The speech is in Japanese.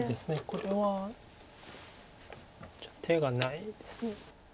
これはちょっと手がないです。